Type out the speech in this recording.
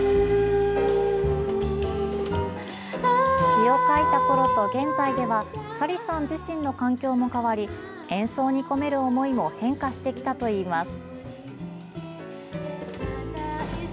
詞を書いたころと現在ではＳａｒｉさん自身の環境も変わり演奏に込める思いも変化してきたといいます。